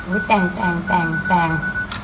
อุ้ยแต่งแต่งแต่งแต่ง